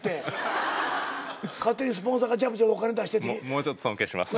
もうちょっと尊敬します。